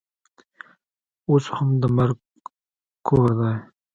اوس هم د مرګ کور دی.